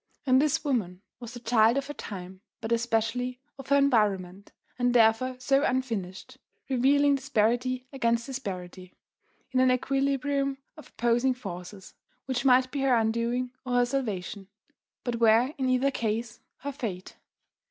And this woman was the child of her time but especially of her environment and therefore so unfinished, revealing disparity against disparity, in an equilibrium of opposing forces, which might be her undoing or her salvation, but were in either case her fate.